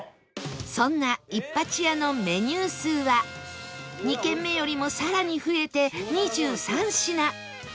そんな壱八家のメニュー数は２軒目よりもさらに増えて２３品